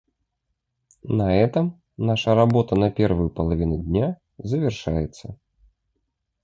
На этом наша работа на первую половину дня завершается.